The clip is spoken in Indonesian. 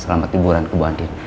selamat liburan ke bu banting